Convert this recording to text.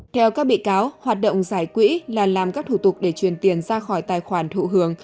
theo các bị cáo hoạt động giải quỹ là làm các thủ tục để truyền tiền ra khỏi tài khoản thụ hưởng